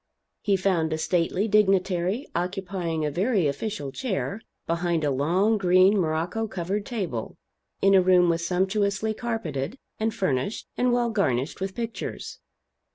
He found a stately dignitary occupying a very official chair behind a long green morocco covered table, in a room sumptuously carpeted and furnished, and well garnished with pictures.